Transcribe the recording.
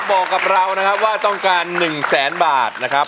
บอกกับเรานะครับว่าต้องการ๑แสนบาทนะครับ